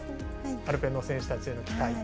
アルペンの選手たちへの期待。